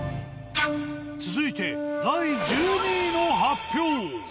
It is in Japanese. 続いて第１２位の発表。